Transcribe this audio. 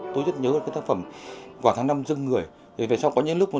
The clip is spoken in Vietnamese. tôi rất nhớ các tác phẩm quà tháng năm dương người